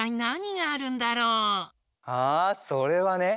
あそれはね